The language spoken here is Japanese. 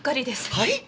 はい！？